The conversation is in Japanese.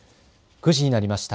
９時になりました。